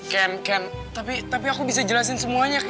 ken ken tapi aku bisa jelasin semuanya